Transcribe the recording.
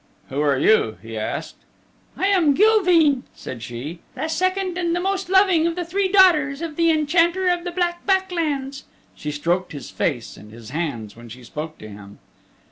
"Who are you?" he asked. "I am Gilveen," said she, "the second and the most loving of the three daughters of the Enchanter of the Black Back Lands." She stroked his face and his hands when she spoke to him.